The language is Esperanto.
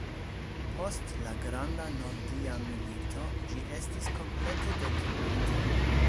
Post la Granda Nordia Milito ĝi estis komplete detruita.